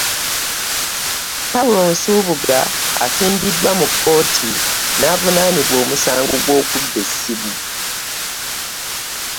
Paul Nsubuga, asimbiddwa mu kkooti n'avunaanibwa omusango gw'okubba essimu